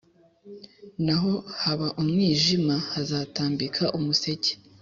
naho haba umwijima hazatambika umuseke